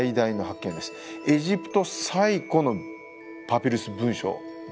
エジプト最古のパピルス文書です。